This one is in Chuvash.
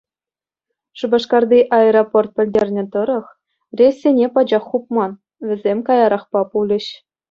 Шупашкарти аэропорт пӗлтернӗ тӑрах, рейссене пачах хупман, вӗсем каярахпа пулӗҫ.